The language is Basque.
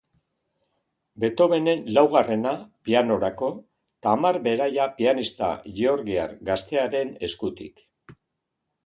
Beethovenen laugarrena, pianorako, Tamar Beraia pianista georgiar gaztearen eskutik.